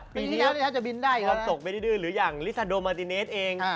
ปีที่แล้วนี่ถ้าจะบินได้อีกแล้วหรืออย่างลิซาโดมาติเนสเอง